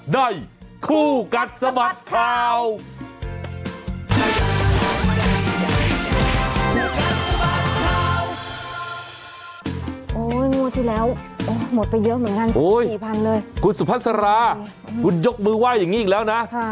ได้คู่กันสมัครข่าว